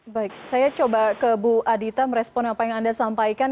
baik saya coba ke bu adita merespon apa yang anda sampaikan